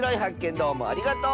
どうもありがとう！